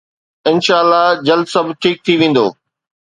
انشاالله جلد سڀ ٺيڪ ٿي ويندو